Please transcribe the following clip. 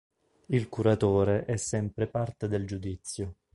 Il curatore è sempre parte del giudizio.